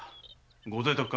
ご在宅かな？